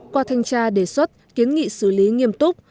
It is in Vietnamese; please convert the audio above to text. qua thanh tra đề xuất kiến nghị xử lý nghiêm túc